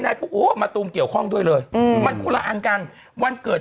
ปุ๊บโอ้มะตูมเกี่ยวข้องด้วยเลยอืมมันคนละอันกันวันเกิด